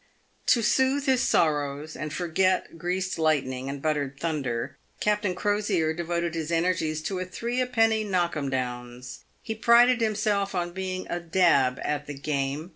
To soothe his sorrows and forget Greased Lightning and Buttered Thunder, Captain Crosier devoted his energies to three a penny knock 'em downs. He prided himself on being a " dab" at the game.